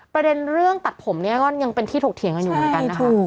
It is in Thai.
ประเด็นเรื่องตัดผมเนี่ยก็ยังเป็นที่ถกเถียงกันอยู่เหมือนกันนะคะ